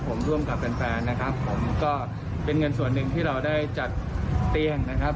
ผมร่วมกับแฟนแฟนนะครับผมก็เป็นเงินส่วนหนึ่งที่เราได้จัดเตียงนะครับ